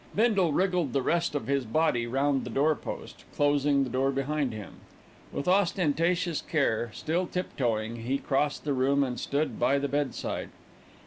Bindle wriggled the rest of his body round the door post, closing the door behind him. With ostentatious care, still tiptoeing, he crossed the room and stood by the bedside.